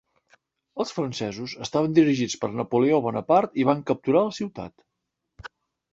Els francesos estaven dirigits per Napoleó Bonapart i van capturar la ciutat.